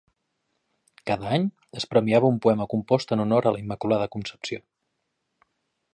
Cada any es premiava un poema compost en honor a la Immaculada Concepció.